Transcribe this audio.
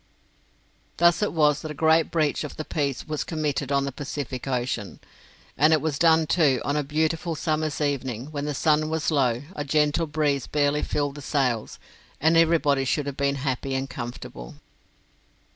Thus it was that a great breach of the peace was committed on the Pacific Ocean; and it was done, too, on a beautiful summer's evening, when the sun was low, a gentle breeze barely filled the sails, and everybody should have been happy and comfortable.